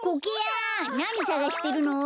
なにさがしてるの？